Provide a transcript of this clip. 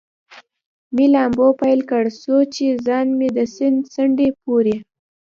مې لامبو پیل کړ، څو چې ځان مې د سیند څنډې پورې.